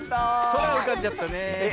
そらうかんじゃったねえ。